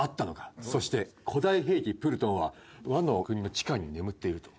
そして古代兵器プルトンはワノ国の地下に眠っていると。